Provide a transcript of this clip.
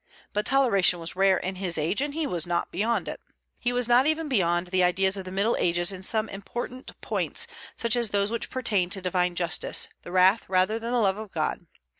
But toleration was rare in his age, and he was not beyond it. He was not even beyond the ideas of the Middle Ages in some important points, such as those which pertained to divine justice, the wrath rather than the love of God.